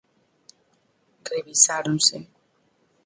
Revisáronse.